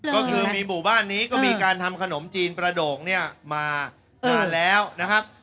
ก็คือมีหมู่บ้านนี้ก็มีการทำขนมจีนประโด่งเนี่ยมานานแล้วนะครับ